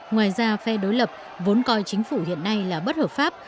ngoài ra phe đối lập vốn coi chính phủ hiện nay là bất hợp pháp